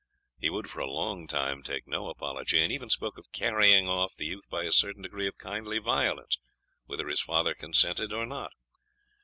He would for a long time take no apology, and even spoke of carrying off the youth by a certain degree of kindly violence, whether his father consented, or not.